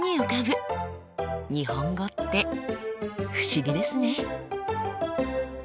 日本語って不思議ですね。